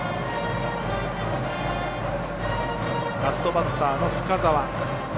ラストバッターの深沢。